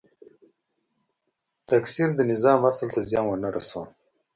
تکثیر د نظام اصل ته زیان ونه رسول.